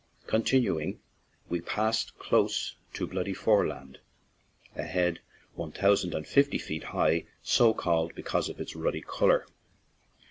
Continuing, we passed close to Bloody Foreland, a head one thousand and fifty feet high, so called because of its ruddy color.